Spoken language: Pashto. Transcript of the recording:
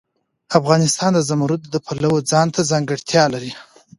افغانستان د زمرد د پلوه ځانته ځانګړتیا لري.